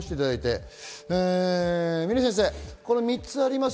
峰先生、３つあります。